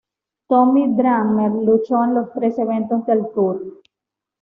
Tommy Dreamer luchó en los tres eventos del tour.